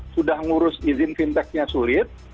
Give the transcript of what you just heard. sudah mengurus izin fintech nya sulit